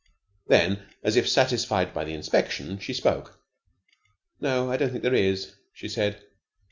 Then, as if satisfied by the inspection, she spoke. "No, I don't think there is," she said.